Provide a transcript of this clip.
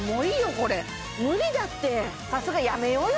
これ無理だってさすがにやめようよ